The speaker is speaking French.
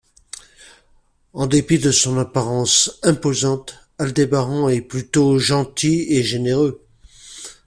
En dépit de son apparence imposante, Aldébaran est plutôt gentil et généreux.